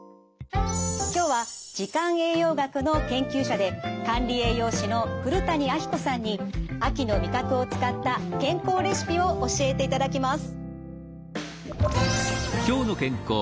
今日は時間栄養学の研究者で管理栄養士の古谷彰子さんに秋の味覚を使った健康レシピを教えていただきます。